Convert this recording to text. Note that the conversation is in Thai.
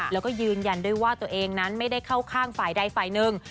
แล้วก็ยืนยันด้วยว่าตัวเองนั้นไม่ได้เข้าข้างฝ่ายใดฝ่ายหนึ่ง